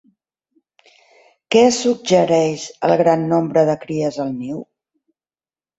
Què suggereix el gran nombre de cries al niu?